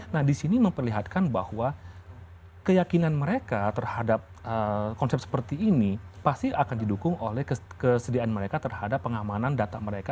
nah di sini memperlihatkan bahwa keyakinan mereka terhadap konsep seperti ini pasti akan didukung oleh kesediaan mereka terhadap pengamanan data mereka